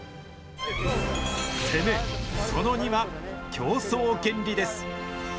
攻め、その２は、競争原理です。